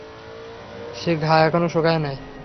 সে ঘা এখনো শুকায় নাই?